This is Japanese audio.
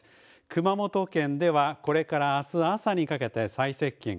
熊本県では、これから、あす朝にかけて、最接近。